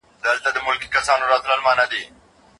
که کشران وي نو مشران نه یوازې کیږي.